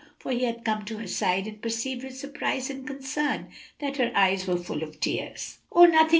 for he had come to her side, and perceived with surprise and concern that her eyes were full of tears. "Oh, nothing!